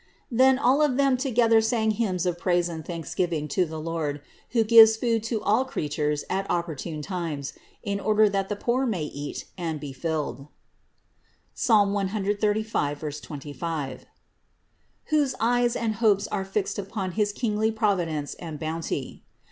Then all of them together sang hymns of praise and thanks giving to the Lord, who gives food to all creatures at opportune times, in order that the poor may eat and be THE INCARNATION 543 filled (Ps. 135, 25) whose eyes and hopes are fixed upon his kingly providence and bounty.